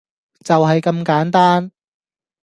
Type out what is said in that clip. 就係咁簡單